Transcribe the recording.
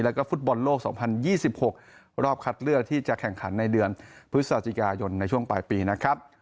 แล้วก็ฟุตบอลโลก๒๐๒๖รอบคัดเลือกที่จะแข่งขันในเดือนพฤศจิกายนในช่วงปลายปีนะครับ